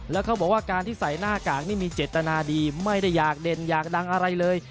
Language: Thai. แล้วเขาบอกว่าการที่ใส่หน้ากากนี่มีเจตนาดีไม่ได้อยากเด่นอยากดังอะไรเลย